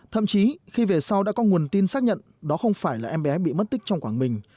thậm chí khi về sau đã có nguồn tin xác nhận đó không phải là em bé bị mất tích trong quảng bình